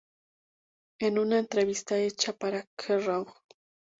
En una entrevista hecha para "Kerrang!